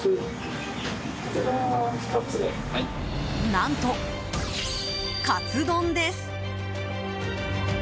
何と、かつ丼です！